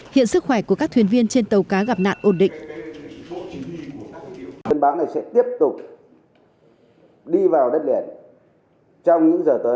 hiện sức khỏe của các thuyền viên trên tàu cá gặp nạn ổn định